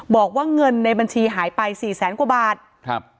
บอกว่าเงินในบัญชีหายไปสี่แสนกว่าบาทครับ